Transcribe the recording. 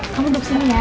kamu duduk sini ya